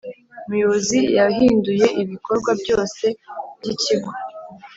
umuyobozi yahinduye ibikorwa byose byikigo.